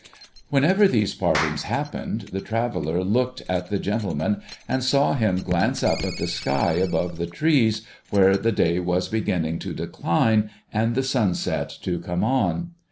Whenever these partings happened, the traveller looked at the gentleman, and saw him glance up at the sky above the trees, where the day was beginning to decline, and the sunset to come on.